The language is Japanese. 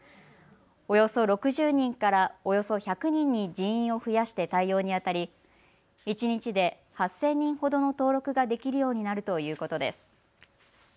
およそ６０人からおよそ１００人に人員を増やして対応にあたり、一日で８０００人ほどの登録ができるようになるということです。